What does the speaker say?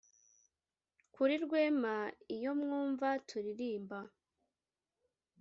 kuri rwema iyo mwumva tulirimba,